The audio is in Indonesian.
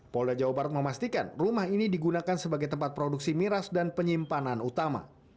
polda jawa barat memastikan rumah ini digunakan sebagai tempat produksi miras dan penyimpanan utama